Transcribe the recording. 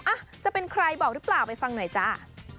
อ่ะจะเป็นใครบอกหรือเปล่าไปฟังหน่อยจ้า